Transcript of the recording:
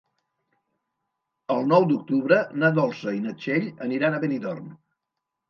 El nou d'octubre na Dolça i na Txell aniran a Benidorm.